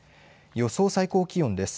予想最高気温です。